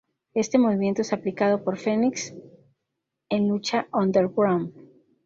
Este movimiento es aplicado por Fenix en Lucha Underground.